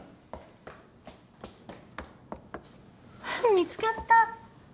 見つかった。